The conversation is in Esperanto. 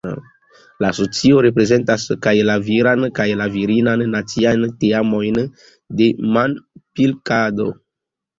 La asocio reprezentas kaj la viran kaj la virinan naciajn teamojn de manpilkado.